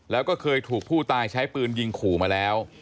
แล้วก็เคยถูกผู้ตายใช้ปืนยิงขู่มาแล้ว